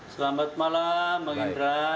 selamat malam bang indra